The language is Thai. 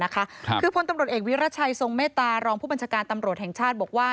คือพลตำรวจเอกวิรัชัยทรงเมตตารองผู้บัญชาการตำรวจแห่งชาติบอกว่า